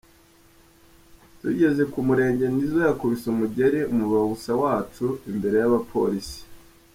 Tugeze ku murenge, Nizzo yakubise umugeri umubawunsa wacu imbere y’abapolisi.